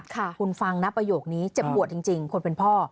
คุณฟังนะประโยคนี้เจ็บปวดจริงคนเป็นพ่อ